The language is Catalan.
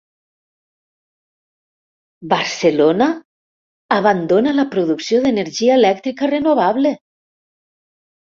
Barcelona abandona la producció d'energia elèctrica renovable